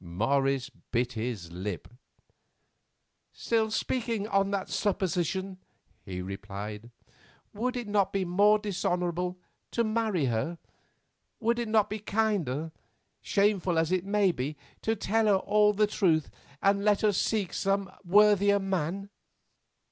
Morris bit his lip. "Still speaking on that supposition," he replied, "would it not be more dishonourable to marry her; would it not be kinder, shameful as it may be, to tell her all the truth and let her seek some worthier man?"